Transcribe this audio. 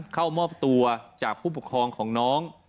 เข้ามอบตัวจากผู้ปกครองของน้อง